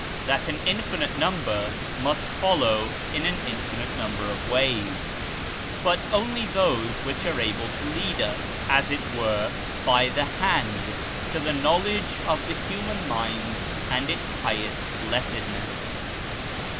that an infinite number must follow in an infinite number of ways), but only those which are able to lead us, as it were by the hand, to the knowledge of the human mind and its highest blessedness.